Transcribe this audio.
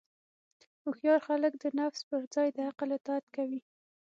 هوښیار خلک د نفس پر ځای د عقل اطاعت کوي.